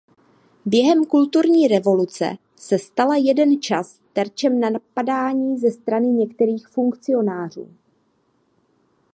Během kulturní revoluce se stala jeden čas terčem napadání ze strany některých funkcionářů.